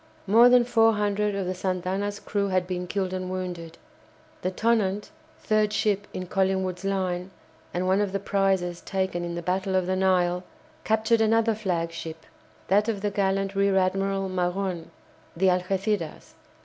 More than four hundred of the "Santa Ana's" crew had been killed and wounded. The "Tonnant," third ship in Collingwood's line, and one of the prizes taken in the Battle of the Nile, captured another flagship, that of the gallant Rear Admiral Magon, the "Algéciras."